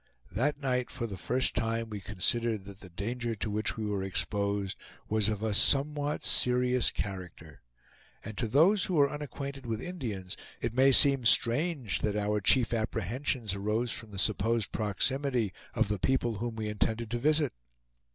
That night for the first time we considered that the danger to which we were exposed was of a somewhat serious character; and to those who are unacquainted with Indians, it may seem strange that our chief apprehensions arose from the supposed proximity of the people whom we intended to visit.